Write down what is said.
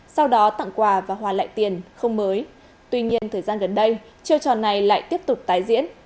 sau đó tặng quà và hoàn lại tiền không mới tuy nhiên thời gian gần đây chiêu trò này lại tiếp tục tái diễn